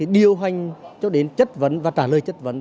điều hành cho đến chất vấn và trả lời chất vấn